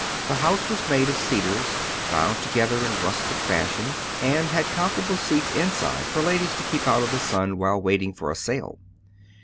The house was made of cedars, bound together in rustic fashion, and had comfortable seats inside for ladies to keep out of the sun while waiting for a sail.